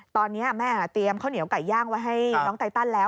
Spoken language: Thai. ตอนนี้แม่เตรียมข้าวเหนียวไก่ย่างไว้ให้น้องไตตันแล้ว